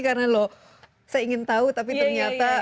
karena loh saya ingin tahu tapi ternyata